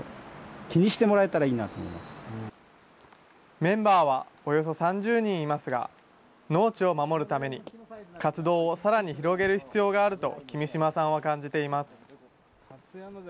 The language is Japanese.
メンバーはおよそ３０人いますが、農地を守るために、活動をさらに広げる必要があると君島さんは感じています。